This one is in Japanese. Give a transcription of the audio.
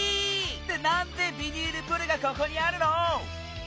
ってなんでビニールプールがここにあるの？